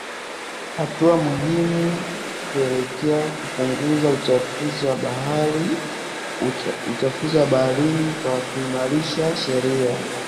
Hatua muhimu kuelekea kupunguza uchafuzi wa baharini kwa kuimarisha sheria